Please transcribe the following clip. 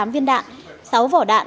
hai mươi tám viên đạn sáu vỏ đạn